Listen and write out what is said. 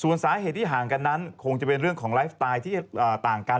ส่วนสาเหตุที่ห่างกันนั้นคงจะเป็นเรื่องของไลฟ์สไตล์ที่ต่างกัน